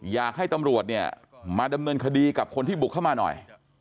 อยากให้ตำรวจเนี่ยมาดำเนินคดีกับคนที่บุกเข้ามาหน่อย